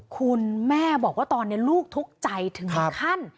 คุณแม่บอกว่าตอนนี้ลูกทุกข์ใจถึงขั้น